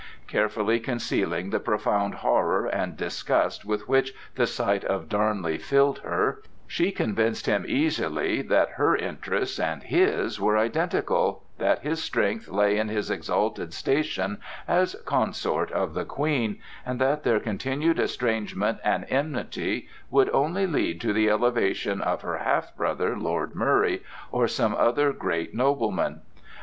Carefully concealing the profound horror and disgust with which the sight of Darnley filled her, she convinced him easily that her interests and his were identical, that his strength lay in his exalted station as consort of the Queen, and that their continued estrangement and enmity would only lead to the elevation of her half brother, Lord Murray, or some other great nobleman.